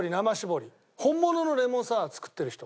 本物のレモンサワー作ってる人。